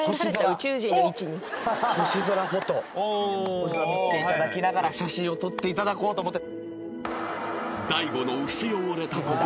星空見ていただきながら写真を撮っていただこうと思って。